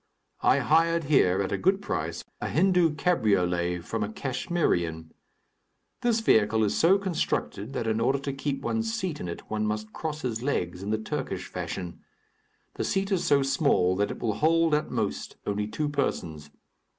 I hired here, at a good price, a Hindu cabriolet, from a Kachmyrian. This vehicle is so constructed that in order to keep one's seat in it, one must cross his legs in the Turkish fashion. The seat is so small that it will hold, at most, only two persons.